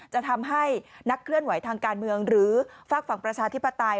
จะทำให้นักเคลื่อนไหวทางการเมืองหรือฝากฝั่งประชาธิปไตย